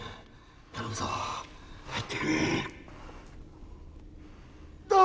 頼むぞ入ってくれ。